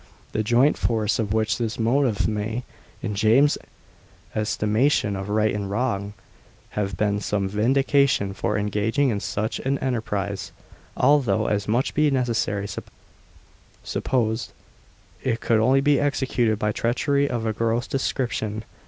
The joint force of these motives may, in James's estimation of right and wrong, have been some vindication for engaging in such an enterprise, although, as must be necessarily supposed, it could only be executed by treachery of a gross description.